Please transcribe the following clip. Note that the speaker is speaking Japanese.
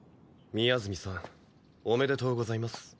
宮澄さんおめでとうございます。